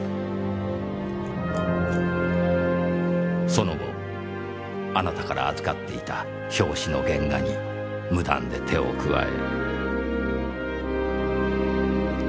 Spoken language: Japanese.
その後あなたから預かっていた表紙の原画に無断で手を加え。